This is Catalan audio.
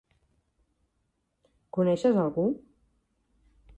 Coneixes a algú?